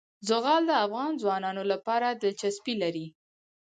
زغال د افغان ځوانانو لپاره دلچسپي لري.